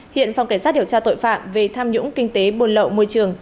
hiện phòng cảnh sát điều tra tội phạm về tham nhũng kinh tế buôn lậu môi trường